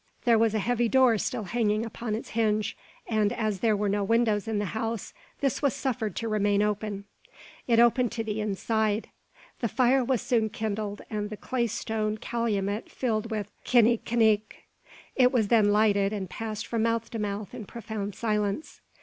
There was a heavy door still hanging upon its hinge; and as there were no windows in the house, this was suffered to remain open. It opened to the inside. The fire was soon kindled, and the clay stone calumet filled with "kini kinik." It was then lighted, and passed from mouth to mouth in profound silence.